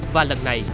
và lần này